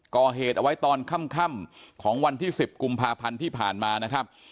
ก่อเหตุเอาไว้ตอนค่ำของวันที่๑๐กุมภาพันธ์ที่ผ่านมานะครับ